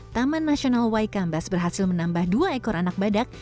taman nasional waikambas berhasil menambah dua ekor anak badak